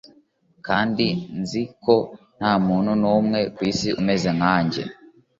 kandi nzi ko ntamuntu numwe kwisi umeze nkanjye,